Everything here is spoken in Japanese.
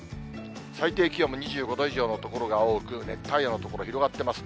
最低気温も２５度以上の所が多く、熱帯夜の所、広がっています。